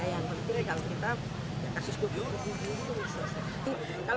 yang penting kalau kita kasih suku suku dulu